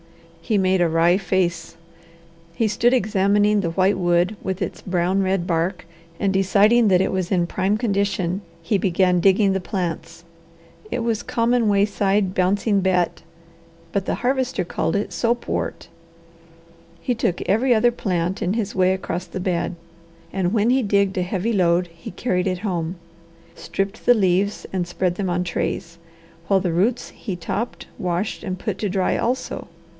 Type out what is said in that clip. He made a wry face. He stood examining the white wood with its brown red bark and, deciding that it was in prime condition, he began digging the plants. It was common wayside "Bouncing Bet," but the Harvester called it "soapwort." He took every other plant in his way across the bed, and when he digged a heavy load he carried it home, stripped the leaves, and spread them on trays, while the roots he topped, washed, and put to dry also.